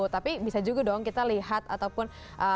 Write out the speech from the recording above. tapi bisa juga dong kita lihat ataupun